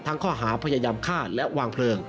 ข้อหาพยายามฆ่าและวางเพลิง